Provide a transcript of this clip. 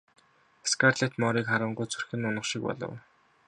Скарлетт морийг харангуут зүрх нь унах шиг болов.